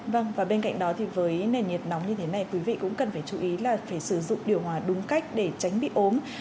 vâng và bên cạnh đó thì với nền nhiệt nóng như thế này quý vị cũng cần phải chú ý là phải sử dụng điều hòa đúng cách để tránh bị ốm